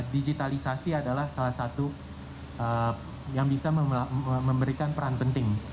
digitalisasi adalah salah satu yang bisa memberikan peran penting